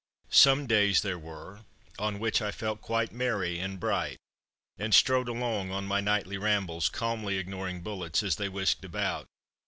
Some days there were on which I felt quite merry and bright, and strode along on my nightly rambles, calmly ignoring bullets as they whisked about.